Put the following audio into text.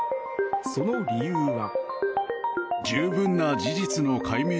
その理由は。